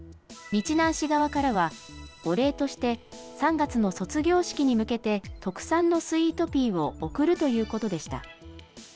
日南市側からは、お礼として、３月の卒業式に向けて、特産のスイートピーを送るということでした。